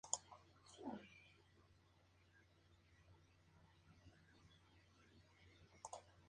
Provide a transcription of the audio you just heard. La palabra "dvor" en serbio se traduce como "castillo" o "palacio".